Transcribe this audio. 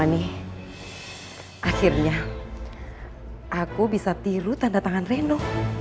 akhirnya aku bisa tiru tanda tangan reno